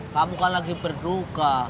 kamu kan lagi berduka